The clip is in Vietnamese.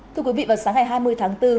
thưa quý vị vào sáng ngày hai mươi tháng bốn